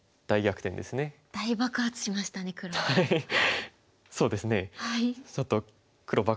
大爆発しましたね黒。